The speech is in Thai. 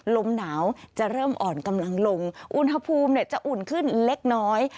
ลมหนาวจะเริ่มอ่อนกำลังลงอุณหภูมิจะอุ่นขึ้นเล็กน้อย